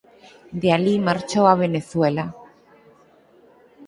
De alí marchou a Venezuela.